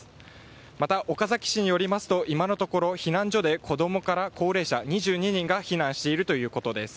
また、岡崎市によりますと今のところ避難所で子供から高齢者２２人が避難しているということです。